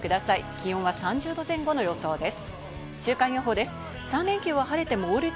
気温は３０度前後の予想です。